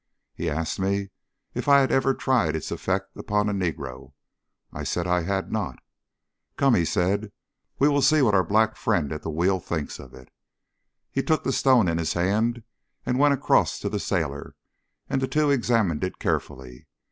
He asked me if I had ever tried its effect upon a negro. I said I had not. "Come," said he, "we'll see what our black friend at the wheel thinks of it." He took the stone in his hand and went across to the sailor, and the two examined it carefully.